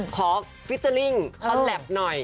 ฟิเจอร์ลิ่งคอนแล็บหน่อย